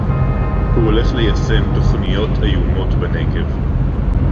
הוא הולך ליישם תוכניות איומות בנגב